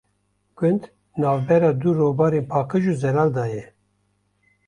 Gund navbera du robarên paqij û zelal da ye.